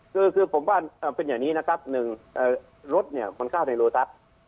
คือคือผมว่าเป็นอย่างนี้นะครับหนึ่งเอ่อรถเนี่ยมันข้ามในโลทัศน์